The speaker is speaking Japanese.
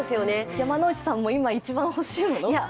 山内さんも今一番欲しいもの？